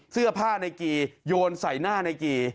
เสื้อผ้านายกีโยนใส่หน้านายกี